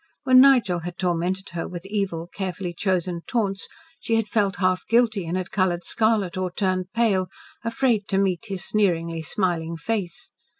When Nigel had tormented her with evil, carefully chosen taunts, she had felt half guilty and had coloured scarlet or turned pale, afraid to meet his sneeringly smiling face.